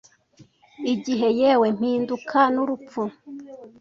Igihe, yewe mpinduka n'urupfu,